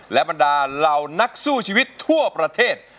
และบรรดาเหล่านักสู้ชีวิตทั่วประเทศ